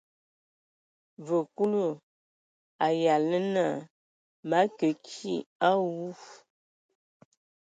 Vǝ Kulu a yalan naa: Mǝ akə kig a awu.